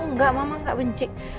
enggak mama gak benci